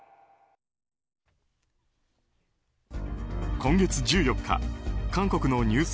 今月１４日韓国のニュース